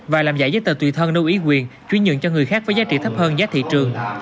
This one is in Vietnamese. và làm giải giấy tờ tùy thân lưu ý quyền chuyên nhận cho người khác với giá trị thấp hơn giá thị trường